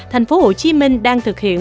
thành phố hồ chí minh đang thực hiện